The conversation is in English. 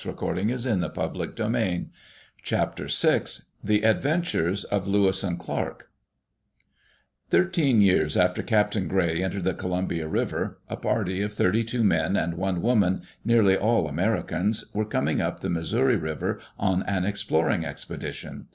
Digitized by CjOOQ IC CHAPTER VI THE ADVENTURES OF LEWIS AND CLARK THIRTEEN years after Captain Gray entered the Columbia River, a party of thirty two men and one woman, nearly all Americans, were coming up the Mis souri River on an exploring expedition.